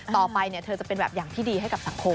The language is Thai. ต่อไปเธอจะเป็นแบบอย่างที่ดีให้กับสังคม